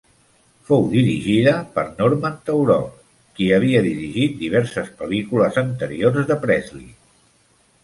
Fou dirigida per Norman Taurog, qui havia dirigit diverses pel·lícules anteriors de Presley.